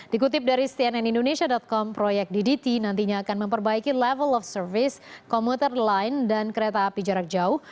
dikutip dari cnn indonesia com proyek ddt nantinya akan memperbaiki level of service komuter line dan kereta api jarak jauh